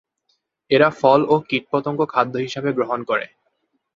এরা ফল ও কীট-পতঙ্গ খাদ্য হিসাবে গ্রহণ করে।